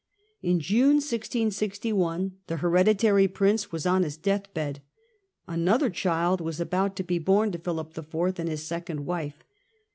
In June 1661 the hereditary prince was on his death bed. Another child was about to be born to Philip IV. and his second wife.